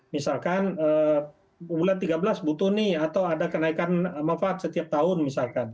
misalkan bulan tiga belas butuh nih atau ada kenaikan manfaat setiap tahun misalkan